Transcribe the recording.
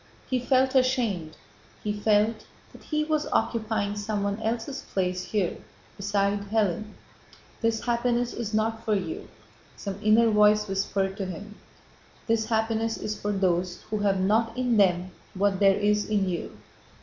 He felt ashamed; he felt that he was occupying someone else's place here beside Hélène. "This happiness is not for you," some inner voice whispered to him. "This happiness is for those who have not in them what there is in you."